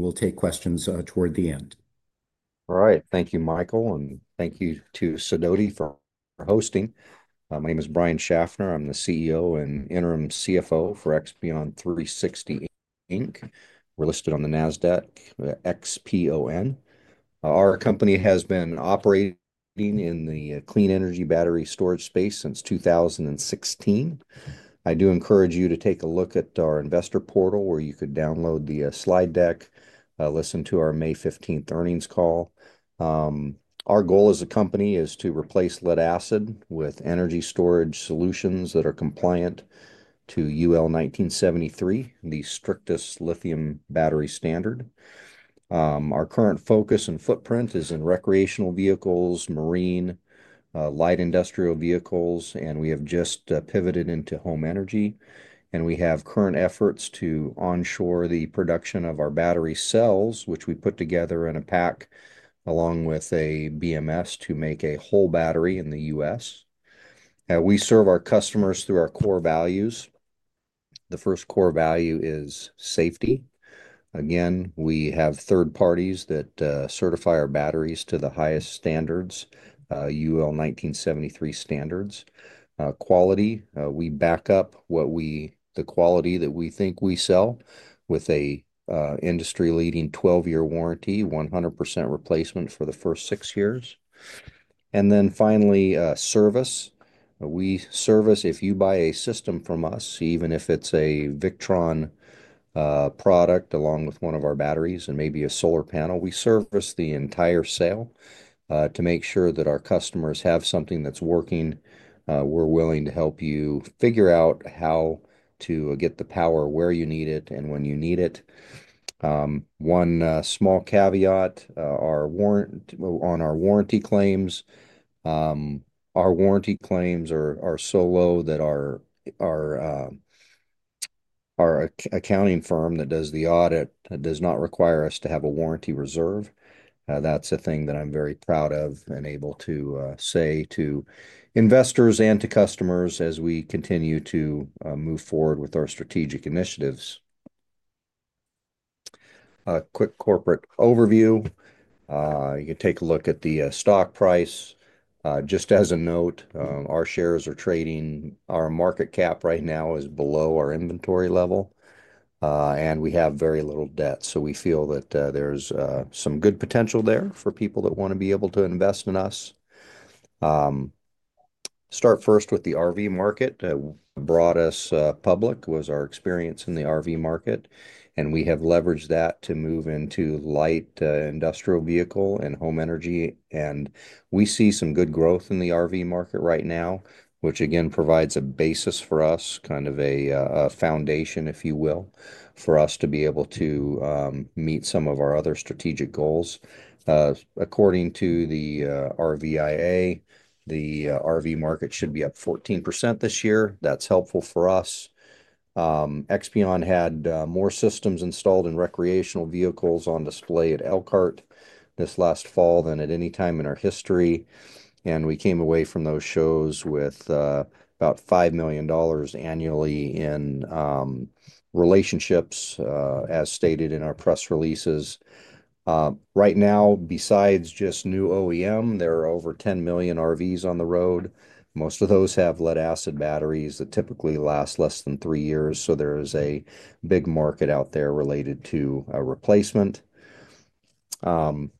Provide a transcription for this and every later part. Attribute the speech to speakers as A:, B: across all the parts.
A: We'll take questions toward the end.
B: All right, thank you, Michael, and thank you to Synodi for hosting. My name is Brian Schaffner. I'm the CEO and interim CFO for Expion360. We're listed on the NASDAQ, XPON. Our company has been operating in the clean energy battery storage space since 2016. I do encourage you to take a look at our investor portal where you could download the slide deck, listen to our May 15th earnings call. Our goal as a company is to replace lead acid with energy storage solutions that are compliant to UL 1973, the strictest lithium battery standard. Our current focus and footprint is in recreational vehicles, marine, light industrial vehicles, and we have just pivoted into home energy. We have current efforts to onshore the production of our battery cells, which we put together in a pack along with a BMS to make a whole battery in the U.S. We serve our customers through our core values. The first core value is safety. Again, we have third parties that certify our batteries to the highest standards, UL 1973 standards. Quality, we back up the quality that we think we sell with an industry-leading 12-year warranty, 100% replacement for the first six years. Finally, service. If you buy a system from us, even if it is a Victron product along with one of our batteries and maybe a solar panel, we service the entire sale to make sure that our customers have something that is working. We are willing to help you figure out how to get the power where you need it and when you need it. One small caveat on our warranty claims. Our warranty claims are so low that our accounting firm that does the audit does not require us to have a warranty reserve. That's a thing that I'm very proud of and able to say to investors and to customers as we continue to move forward with our strategic initiatives. A quick corporate overview. You can take a look at the stock price. Just as a note, our shares are trading. Our market cap right now is below our inventory level, and we have very little debt. We feel that there's some good potential there for people that want to be able to invest in us. Start first with the RV market. What brought us public was our experience in the RV market, and we have leveraged that to move into light industrial vehicle and home energy. We see some good growth in the RV market right now, which again provides a basis for us, kind of a foundation, if you will, for us to be able to meet some of our other strategic goals. According to the RVIA, the RV market should be up 14% this year. That's helpful for us. Expion360 had more systems installed in recreational vehicles on display at Elkhart this last fall than at any time in our history. We came away from those shows with about $5 million annually in relationships, as stated in our press releases. Right now, besides just new OEM, there are over 10 million RVs on the road. Most of those have lead acid batteries that typically last less than three years. There is a big market out there related to replacement.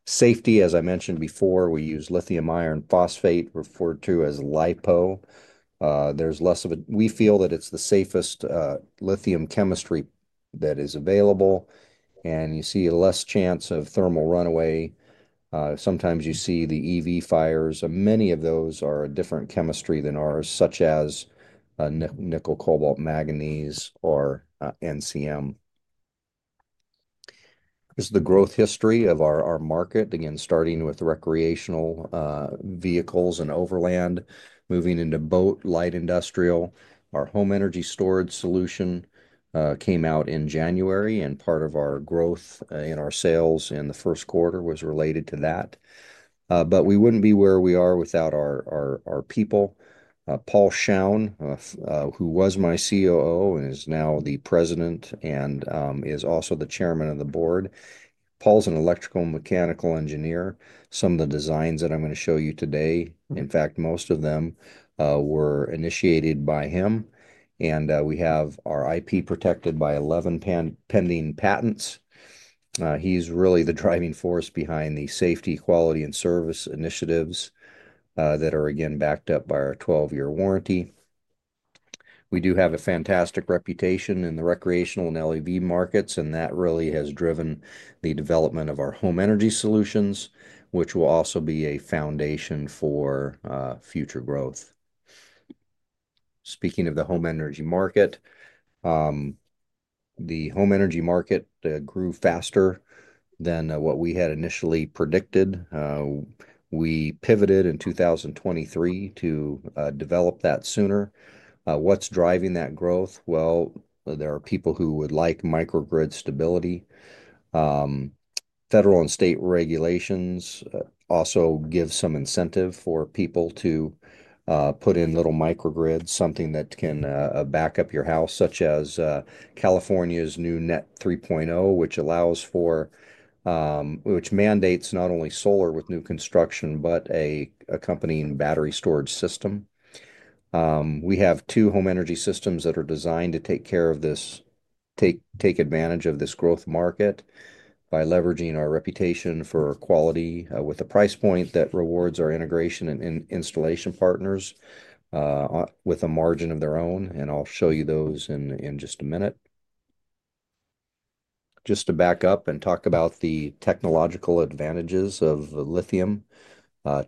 B: Safety, as I mentioned before, we use lithium iron phosphate, referred to as LiFePO4. We feel that it's the safest lithium chemistry that is available, and you see a less chance of thermal runaway. Sometimes you see the EV fires. Many of those are a different chemistry than ours, such as nickel, cobalt, manganese, or NCM. This is the growth history of our market, again, starting with recreational vehicles and overland, moving into boat, light industrial. Our home energy storage solution came out in January, and part of our growth in our sales in the first quarter was related to that. We wouldn't be where we are without our people. Paul Schaffner, who was my COO and is now the President and is also the Chairman of the board. Paul's an electrical mechanical engineer. Some of the designs that I'm going to show you today, in fact, most of them were initiated by him, and we have our IP protected by 11 pending patents. He's really the driving force behind the safety, quality, and service initiatives that are, again, backed up by our 12-year warranty. We do have a fantastic reputation in the recreational and LEV markets, and that really has driven the development of our home energy solutions, which will also be a foundation for future growth. Speaking of the home energy market, the home energy market grew faster than what we had initially predicted. We pivoted in 2023 to develop that sooner. What is driving that growth? There are people who would like microgrid stability. Federal and state regulations also give some incentive for people to put in little microgrids, something that can back up your house, such as California's new Net 3.0, which mandates not only solar with new construction, but an accompanying battery storage system. We have two home energy systems that are designed to take care of this, take advantage of this growth market by leveraging our reputation for quality with a price point that rewards our integration and installation partners with a margin of their own. I'll show you those in just a minute. Just to back up and talk about the technological advantages of lithium,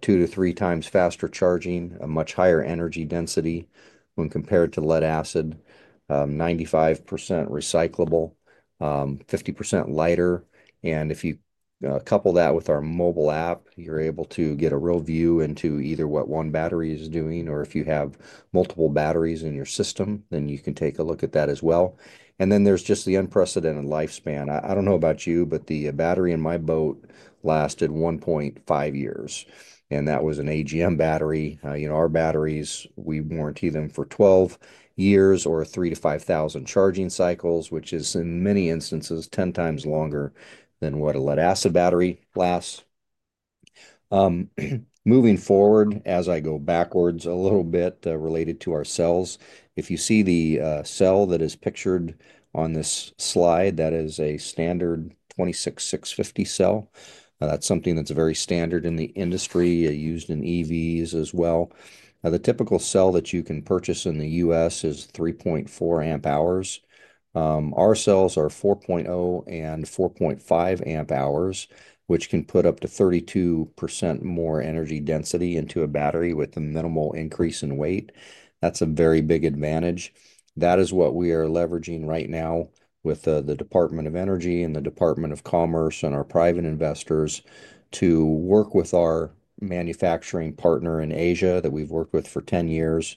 B: two to three times faster charging, a much higher energy density when compared to lead acid, 95% recyclable, 50% lighter. If you couple that with our mobile app, you're able to get a real view into either what one battery is doing, or if you have multiple batteries in your system, you can take a look at that as well. There is just the unprecedented lifespan. I don't know about you, but the battery in my boat lasted 1.5 years, and that was an AGM battery. Our batteries, we warranty them for 12 years or 3,000-5,000 charging cycles, which is in many instances 10 times longer than what a lead acid battery lasts. Moving forward, as I go backwards a little bit related to our cells, if you see the cell that is pictured on this slide, that is a standard 26650 cell. That is something that is very standard in the industry used in EVs as well. The typical cell that you can purchase in the U.S. is 3.4 amp hours. Our cells are 4.0 and 4.5 amp hours, which can put up to 32% more energy density into a battery with a minimal increase in weight. That's a very big advantage. That is what we are leveraging right now with the Department of Energy and the Department of Commerce and our private investors to work with our manufacturing partner in Asia that we've worked with for 10 years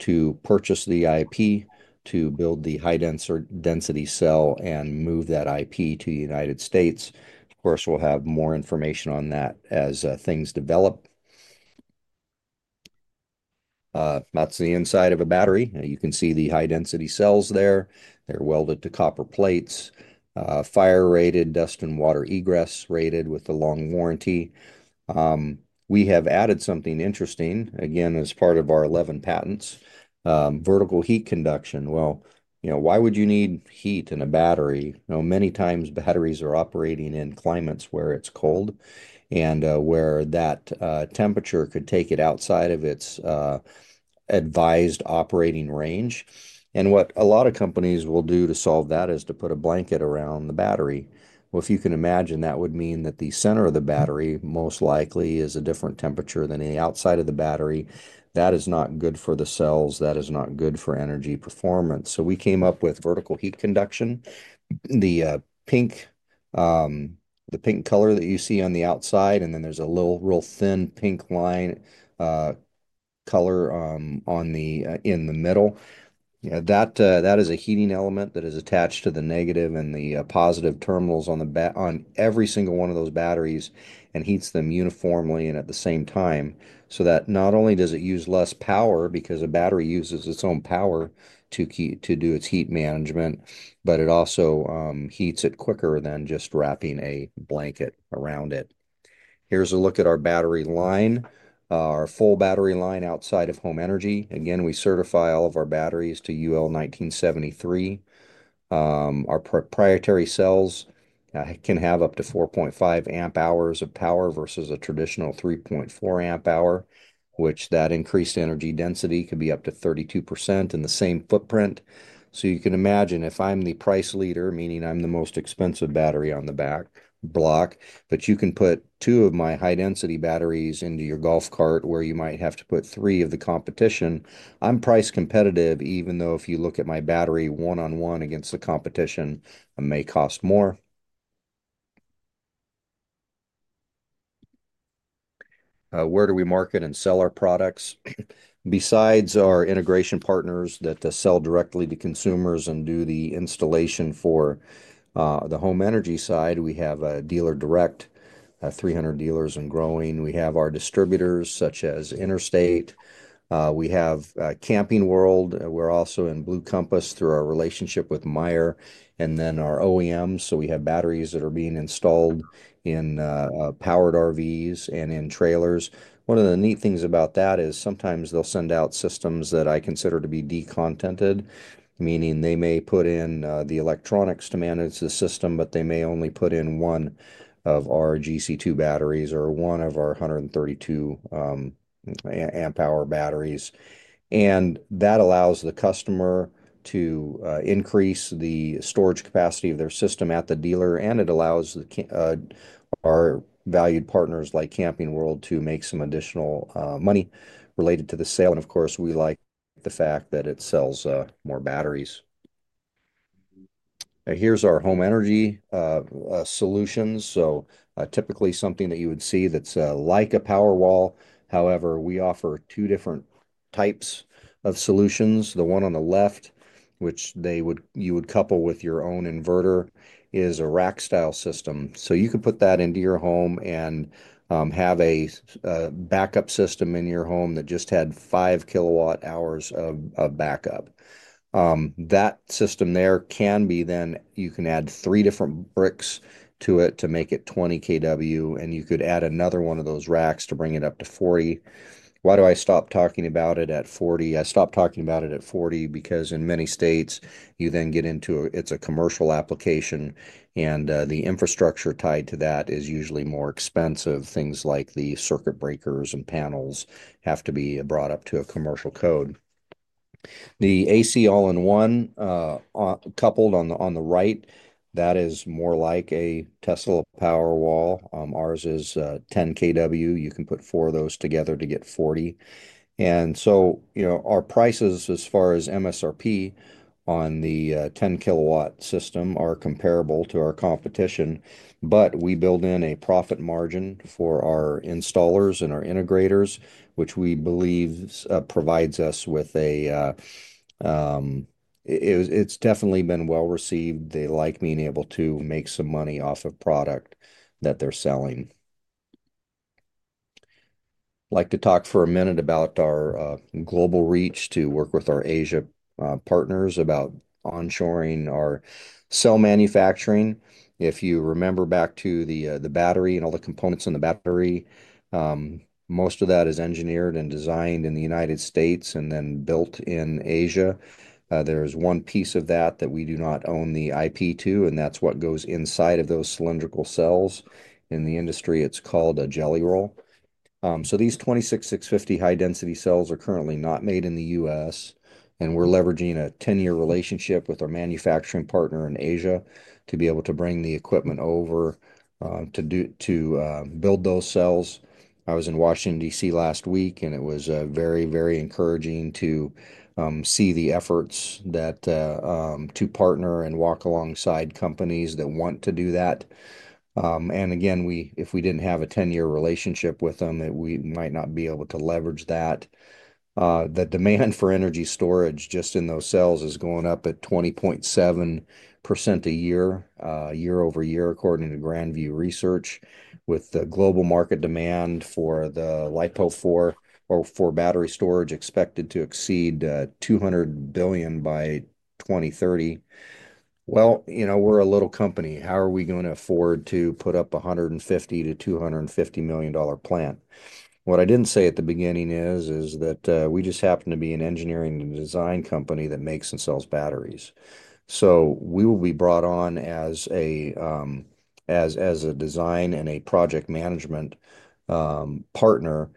B: to purchase the IP, to build the high-density cell, and move that IP to the United States. Of course, we'll have more information on that as things develop. That's the inside of a battery. You can see the high-density cells there. They're welded to copper plates, fire-rated, dust and water egress-rated with a long warranty. We have added something interesting, again, as part of our 11 patents, vertical heat conduction. Why would you need heat in a battery? Many times, batteries are operating in climates where it is cold and where that temperature could take it outside of its advised operating range. What a lot of companies will do to solve that is to put a blanket around the battery. If you can imagine, that would mean that the center of the battery most likely is a different temperature than the outside of the battery. That is not good for the cells. That is not good for energy performance. We came up with vertical heat conduction. The pink color that you see on the outside, and then there's a little real thin pink line color in the middle, that is a heating element that is attached to the negative and the positive terminals on every single one of those batteries and heats them uniformly and at the same time. That not only does it use less power because a battery uses its own power to do its heat management, but it also heats it quicker than just wrapping a blanket around it. Here's a look at our battery line, our full battery line outside of home energy. Again, we certify all of our batteries to UL 1973. Our proprietary cells can have up to 4.5 amp hours of power versus a traditional 3.4 amp hour, which that increased energy density could be up to 32% in the same footprint. You can imagine if I'm the price leader, meaning I'm the most expensive battery on the block, but you can put two of my high-density batteries into your golf cart where you might have to put three of the competition. I'm price competitive, even though if you look at my battery one-on-one against the competition, it may cost more. Where do we market and sell our products? Besides our integration partners that sell directly to consumers and do the installation for the home energy side, we have a dealer direct, 300 dealers and growing. We have our distributors such as Interstate. We have Camping World. We're also in Blue Compass through our relationship with Meyer. Then our OEMs. We have batteries that are being installed in powered RVs and in trailers. One of the neat things about that is sometimes they'll send out systems that I consider to be decontented, meaning they may put in the electronics to manage the system, but they may only put in one of our GC2 batteries or one of our 132 amp hour batteries. That allows the customer to increase the storage capacity of their system at the dealer, and it allows our valued partners like Camping World to make some additional money related to the sale. Of course, we like the fact that it sells more batteries. Here's our home energy solutions. Typically, something that you would see that's like a Powerwall. However, we offer two different types of solutions. The one on the left, which you would couple with your own inverter, is a rack-style system. You could put that into your home and have a backup system in your home that just had 5 kilowatt hours of backup. That system there can be, then you can add three different bricks to it to make it 20 kW, and you could add another one of those racks to bring it up to 40. Why do I stop talking about it at 40? I stop talking about it at 40 because in many states, you then get into it's a commercial application, and the infrastructure tied to that is usually more expensive. Things like the circuit breakers and panels have to be brought up to a commercial code. The AC all-in-one coupled on the right, that is more like a Tesla Powerwall. Ours is 10 kW. You can put four of those together to get 40. Our prices as far as MSRP on the 10 kilowatt system are comparable to our competition, but we build in a profit margin for our installers and our integrators, which we believe provides us with a, it's definitely been well received. They like being able to make some money off of product that they're selling. I'd like to talk for a minute about our global reach to work with our Asia partners about onshoring our cell manufacturing. If you remember back to the battery and all the components in the battery, most of that is engineered and designed in the United States and then built in Asia. There is one piece of that that we do not own the IP to, and that's what goes inside of those cylindrical cells. In the industry, it's called a Jelly Roll. These 26650 high-density cells are currently not made in the U.S., and we're leveraging a 10-year relationship with our manufacturing partner in Asia to be able to bring the equipment over to build those cells. I was in Washington, DC, last week, and it was very, very encouraging to see the efforts to partner and walk alongside companies that want to do that. Again, if we didn't have a 10-year relationship with them, we might not be able to leverage that. The demand for energy storage just in those cells is going up at 20.7% a year, year over year, according to Grandview Research, with the global market demand for the LiFePO4 or for battery storage expected to exceed $200 billion by 2030. We're a little company. How are we going to afford to put up a $150 million-$250 million plant? What I didn't say at the beginning is that we just happen to be an engineering and design company that makes and sells batteries. We will be brought on as a design and a project management partner.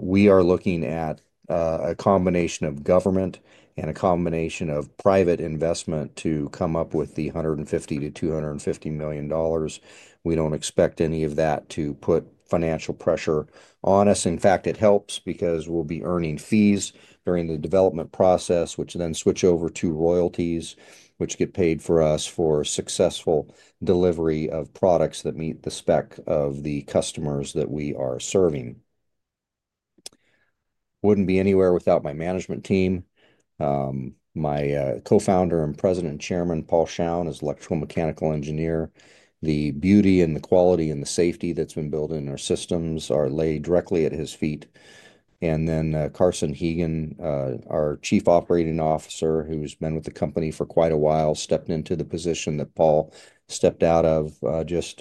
B: We are looking at a combination of government and a combination of private investment to come up with the $150 million-$250 million. We don't expect any of that to put financial pressure on us. In fact, it helps because we'll be earning fees during the development process, which then switch over to royalties, which get paid for us for successful delivery of products that meet the spec of the customers that we are serving. Wouldn't be anywhere without my management team. My co-founder and President and Chairman, Paul Schaffner, is an electrical mechanical engineer. The beauty and the quality and the safety that's been built in our systems are laid directly at his feet. Carson Hagan, our Chief Operating Officer, who's been with the company for quite a while, stepped into the position that Paul stepped out of. Just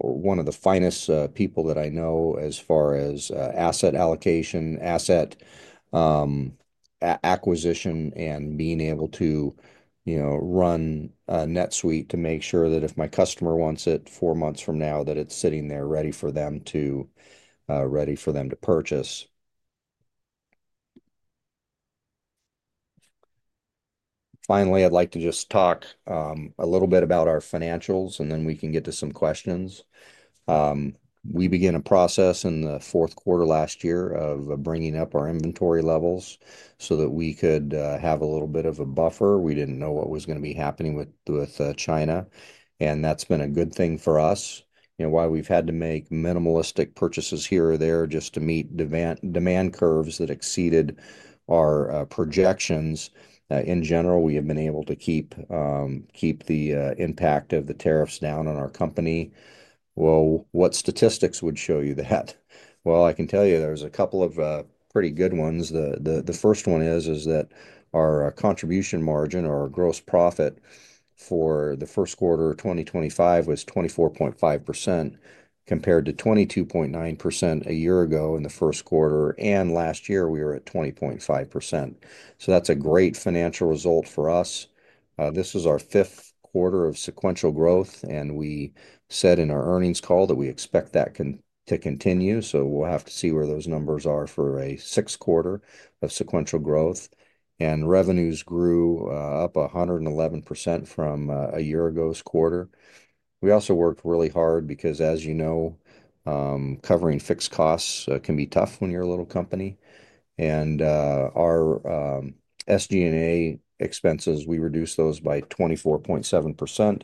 B: one of the finest people that I know as far as asset allocation, asset acquisition, and being able to run a NetSuite to make sure that if my customer wants it four months from now, that it's sitting there ready for them to purchase. Finally, I'd like to just talk a little bit about our financials, and then we can get to some questions. We began a process in the fourth quarter last year of bringing up our inventory levels so that we could have a little bit of a buffer. We didn't know what was going to be happening with China, and that's been a good thing for us. Why we've had to make minimalistic purchases here or there just to meet demand curves that exceeded our projections. In general, we have been able to keep the impact of the tariffs down on our company. What statistics would show you that? I can tell you there's a couple of pretty good ones. The first one is that our contribution margin or our gross profit for the first quarter of 2025 was 24.5% compared to 22.9% a year ago in the first quarter. And last year, we were at 20.5%. That's a great financial result for us. This is our fifth quarter of sequential growth, and we said in our earnings call that we expect that to continue. We'll have to see where those numbers are for a sixth quarter of sequential growth. Revenues grew up 111% from a year ago's quarter. We also worked really hard because, as you know, covering fixed costs can be tough when you're a little company. Our SG&A expenses, we reduced those by 24.7%.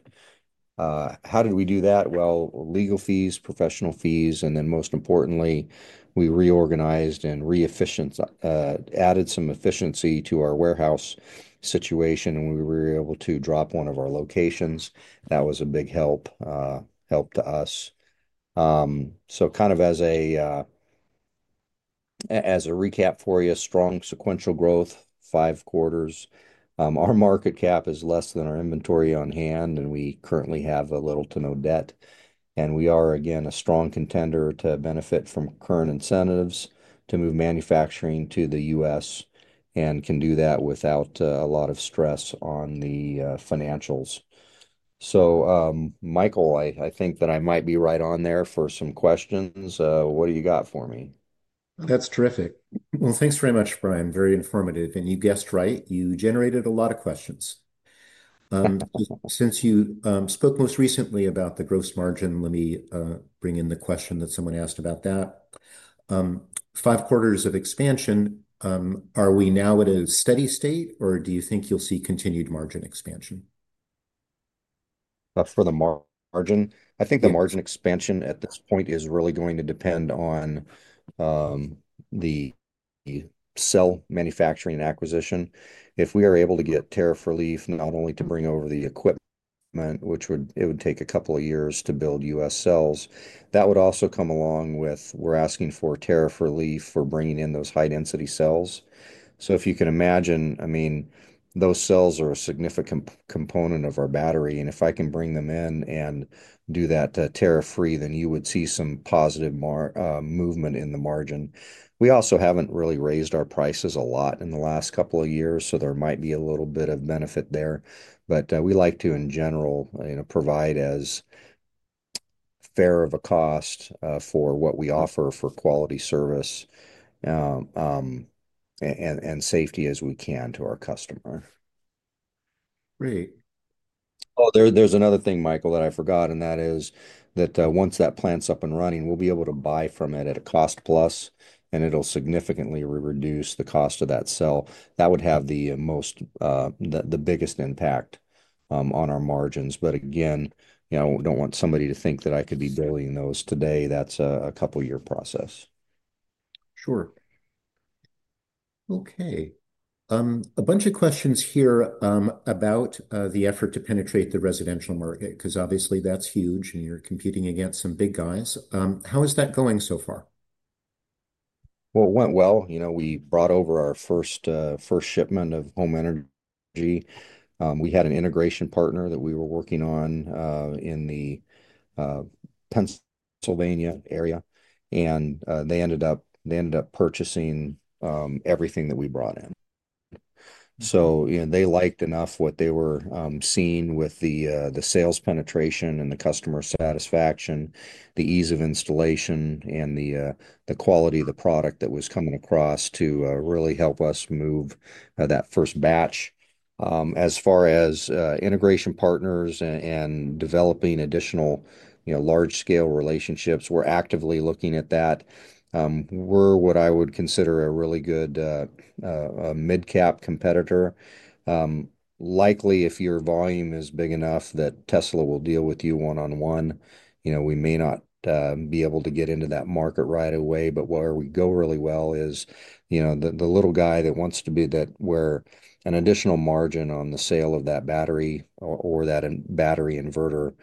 B: How did we do that? Legal fees, professional fees, and then most importantly, we reorganized and added some efficiency to our warehouse situation. We were able to drop one of our locations. That was a big help to us. Kind of as a recap for you, strong sequential growth, five quarters. Our market cap is less than our inventory on hand, and we currently have a little to no debt. We are, again, a strong contender to benefit from current incentives to move manufacturing to the US and can do that without a lot of stress on the financials. Michael, I think that I might be right on there for some questions. What do you got for me?
A: That's terrific. Thanks very much, Brian. Very informative. You guessed right. You generated a lot of questions. Since you spoke most recently about the gross margin, let me bring in the question that someone asked about that. Five quarters of expansion, are we now at a steady state, or do you think you'll see continued margin expansion?
B: For the margin, I think the margin expansion at this point is really going to depend on the cell manufacturing and acquisition. If we are able to get tariff relief, not only to bring over the equipment, which it would take a couple of years to build US cells, that would also come along with we're asking for tariff relief for bringing in those high-density cells. If you can imagine, I mean, those cells are a significant component of our battery. If I can bring them in and do that tariff-free, then you would see some positive movement in the margin. We also have not really raised our prices a lot in the last couple of years, so there might be a little bit of benefit there. We like to, in general, provide as fair of a cost for what we offer for quality service and safety as we can to our customer.
A: Great.
B: Oh, there's another thing, Michael, that I forgot, and that is that once that plant's up and running, we'll be able to buy from it at a cost plus, and it'll significantly reduce the cost of that cell. That would have the biggest impact on our margins. Again, we don't want somebody to think that I could be building those today. That's a couple-year process.
A: Sure. Okay. A bunch of questions here about the effort to penetrate the residential market because obviously that's huge, and you're competing against some big guys. How is that going so far?
B: It went well. We brought over our first shipment of home energy. We had an integration partner that we were working on in the Pennsylvania area, and they ended up purchasing everything that we brought in. They liked enough what they were seeing with the sales penetration and the customer satisfaction, the ease of installation, and the quality of the product that was coming across to really help us move that first batch. As far as integration partners and developing additional large-scale relationships, we're actively looking at that. We're what I would consider a really good mid-cap competitor. Likely, if your volume is big enough that Tesla will deal with you one-on-one, we may not be able to get into that market right away. Where we go really well is the little guy that wants to be that where an additional margin on the sale of that battery or that battery inverter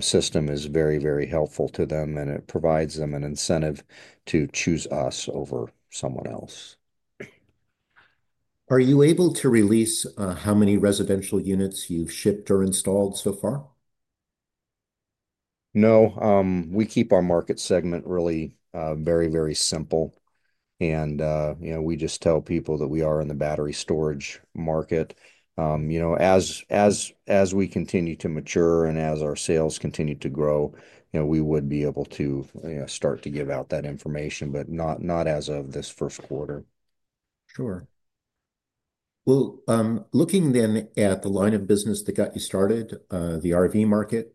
B: system is very, very helpful to them, and it provides them an incentive to choose us over someone else.
A: Are you able to release how many residential units you've shipped or installed so far?
B: No. We keep our market segment really very, very simple, and we just tell people that we are in the battery storage market. As we continue to mature and as our sales continue to grow, we would be able to start to give out that information, but not as of this first quarter.
A: Sure. Looking then at the line of business that got you started, the RV market,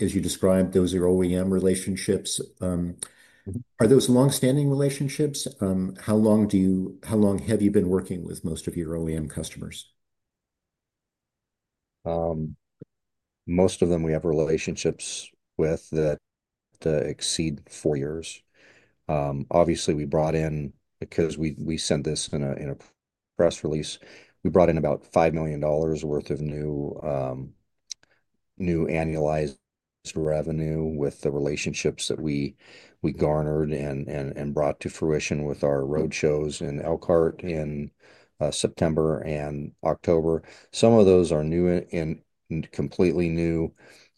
A: as you described, those are OEM relationships. Are those long-standing relationships? How long have you been working with most of your OEM customers?
B: Most of them we have relationships with that exceed four years. Obviously, we brought in, because we sent this in a press release, we brought in about $5 million worth of new annualized revenue with the relationships that we garnered and brought to fruition with our road shows in Elkhart in September and October. Some of those are completely new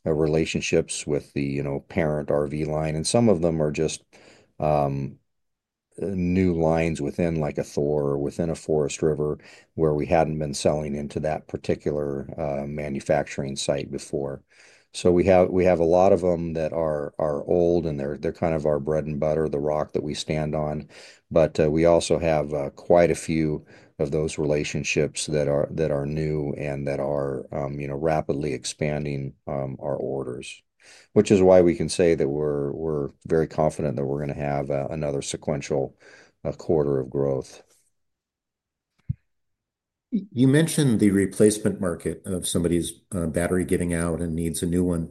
B: relationships with the parent RV line, and some of them are just new lines within a Forest River where we had not been selling into that particular manufacturing site before. We have a lot of them that are old, and they are kind of our bread and butter, the rock that we stand on. We also have quite a few of those relationships that are new and that are rapidly expanding our orders, which is why we can say that we are very confident that we are going to have another sequential quarter of growth.
A: You mentioned the replacement market of somebody's battery giving out and needs a new one.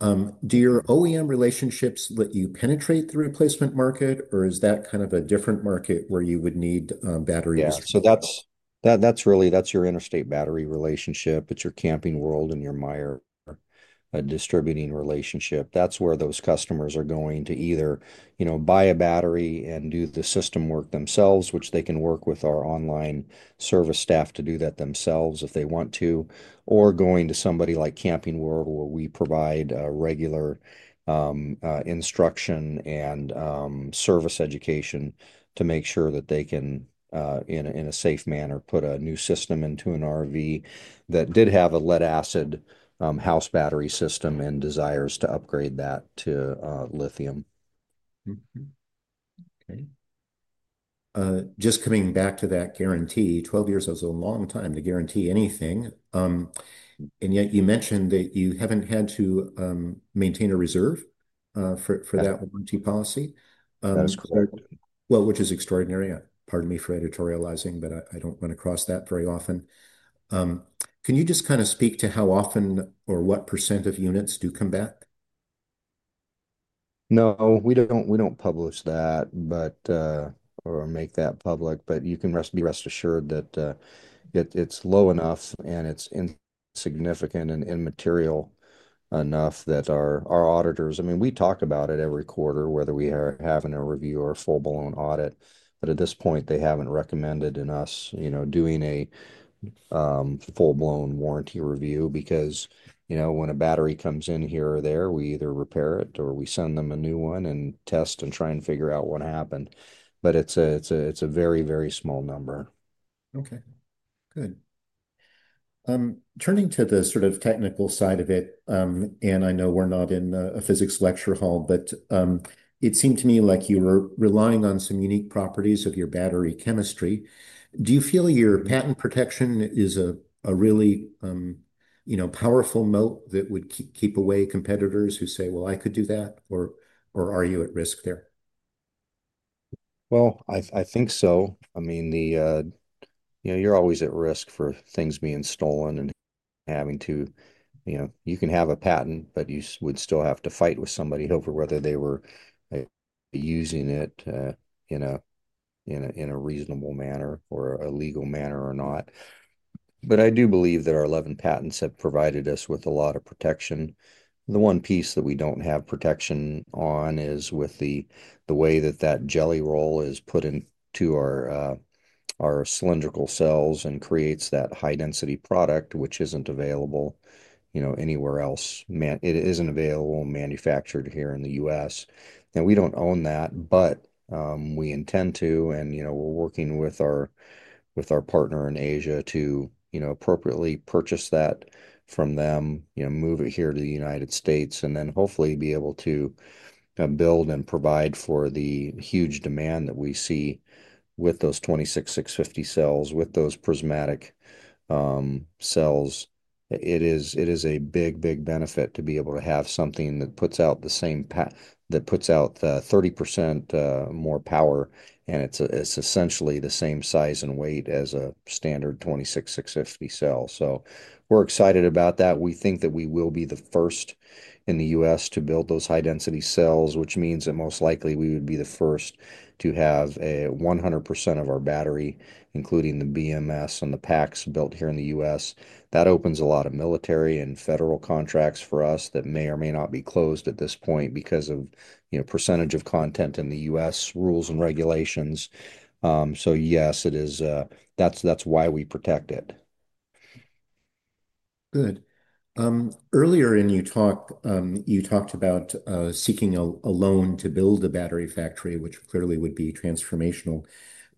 A: Do your OEM relationships let you penetrate the replacement market, or is that kind of a different market where you would need batteries?
B: Yeah. So that's your Interstate battery relationship. It's your Camping World and your Meyer distributing relationship. That's where those customers are going to either buy a battery and do the system work themselves, which they can work with our online service staff to do that themselves if they want to, or going to somebody like Camping World where we provide regular instruction and service education to make sure that they can, in a safe manner, put a new system into an RV that did have a lead-acid house battery system and desires to upgrade that to lithium.
A: Okay. Just coming back to that guarantee, 12 years is a long time to guarantee anything. Yet you mentioned that you haven't had to maintain a reserve for that warranty policy. That's correct. Which is extraordinary. Pardon me for editorializing, but I don't run across that very often. Can you just kind of speak to how often or what % of units do come back?
B: No, we don't publish that or make that public, but you can be rest assured that it's low enough and it's insignificant and immaterial enough that our auditors, I mean, we talk about it every quarter, whether we are having a review or a full-blown audit. At this point, they haven't recommended us doing a full-blown warranty review because when a battery comes in here or there, we either repair it or we send them a new one and test and try and figure out what happened. It's a very, very small number.
A: Okay. Good. Turning to the sort of technical side of it, and I know we're not in a physics lecture hall, but it seemed to me like you were relying on some unique properties of your battery chemistry. Do you feel your patent protection is a really powerful moat that would keep away competitors who say, "Well, I could do that," or are you at risk there?
B: I think so. I mean, you're always at risk for things being stolen and having to, you can have a patent, but you would still have to fight with somebody over whether they were using it in a reasonable manner or a legal manner or not. I do believe that our 11 patents have provided us with a lot of protection. The one piece that we don't have protection on is with the way that that Jelly Roll is put into our cylindrical cells and creates that high-density product, which isn't available anywhere else. It isn't available manufactured here in the U.S. Now, we don't own that, but we intend to, and we're working with our partner in Asia to appropriately purchase that from them, move it here to the United States, and then hopefully be able to build and provide for the huge demand that we see with those 26650 cells, with those prismatic cells. It is a big, big benefit to be able to have something that puts out the same, that puts out 30% more power, and it's essentially the same size and weight as a standard 26650 cell. We are excited about that. We think that we will be the first in the US to build those high-density cells, which means that most likely we would be the first to have 100% of our battery, including the BMS and the packs built here in the US. That opens a lot of military and federal contracts for us that may or may not be closed at this point because of percentage of content in the U.S. rules and regulations. Yes, that's why we protect it.
A: Good. Earlier in your talk, you talked about seeking a loan to build a battery factory, which clearly would be transformational.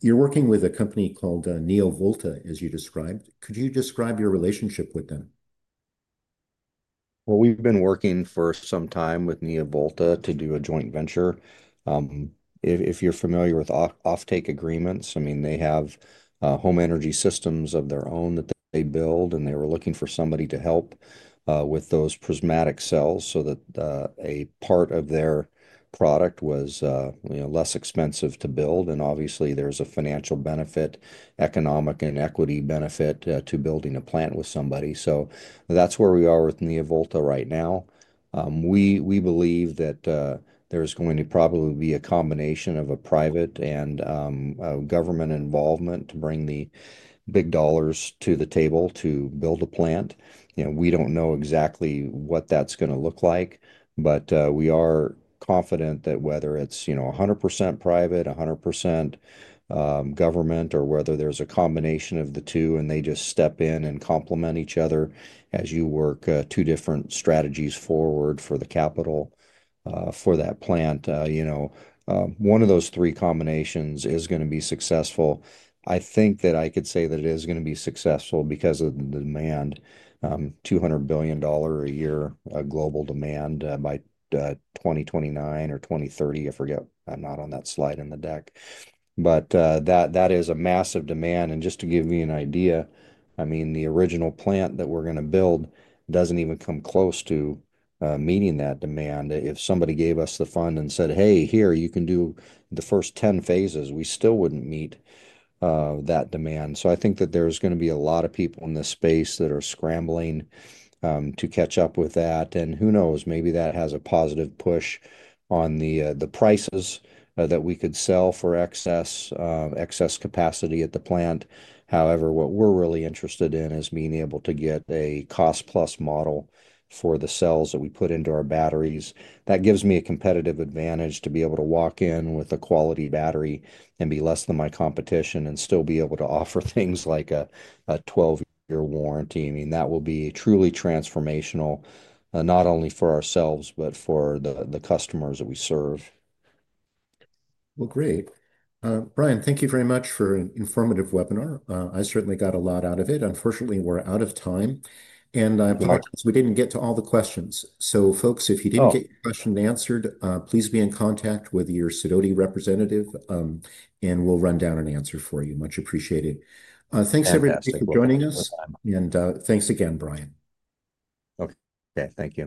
A: You're working with a company called Neo Volta, as you described. Could you describe your relationship with them?
B: We've been working for some time with Neo Volta to do a joint venture. If you're familiar with offtake agreements, I mean, they have home energy systems of their own that they build, and they were looking for somebody to help with those prismatic cells so that a part of their product was less expensive to build. Obviously, there's a financial benefit, economic and equity benefit to building a plant with somebody. That is where we are with Neo Volta right now. We believe that there is going to probably be a combination of a private and government involvement to bring the big dollars to the table to build a plant. We do not know exactly what that is going to look like, but we are confident that whether it is 100% private, 100% government, or whether there is a combination of the two, and they just step in and complement each other as you work two different strategies forward for the capital for that plant. One of those three combinations is going to be successful. I think that I could say that it is going to be successful because of the demand, $200 billion a year global demand by 2029 or 2030. I forget. I'm not on that slide in the deck. That is a massive demand. Just to give you an idea, I mean, the original plant that we're going to build doesn't even come close to meeting that demand. If somebody gave us the fund and said, "Hey, here, you can do the first 10 phases," we still wouldn't meet that demand. I think that there's going to be a lot of people in this space that are scrambling to catch up with that. Who knows, maybe that has a positive push on the prices that we could sell for excess capacity at the plant. However, what we're really interested in is being able to get a cost-plus model for the cells that we put into our batteries. That gives me a competitive advantage to be able to walk in with a quality battery and be less than my competition and still be able to offer things like a 12-year warranty. I mean, that will be truly transformational, not only for ourselves, but for the customers that we serve.
A: Great. Brian, thank you very much for an informative webinar. I certainly got a lot out of it. Unfortunately, we're out of time, and we didn't get to all the questions. Folks, if you didn't get your question answered, please be in contact with your Synodi representative, and we'll run down an answer for you. Much appreciated. Thanks everybody for joining us, and thanks again, Brian.
B: Okay. Thank you.